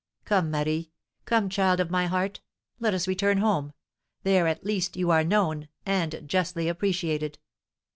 Come, Marie! come, child of my heart! let us return home; there, at least, you are known, and justly appreciated."